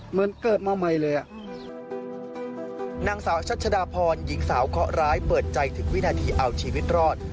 เหมือนเกิดมาใหม่เลยอ่ะนางสาวชัชดาพรหญิงสาวเคาะร้ายเปิดใจถึงวินาทีเอาชีวิตรอด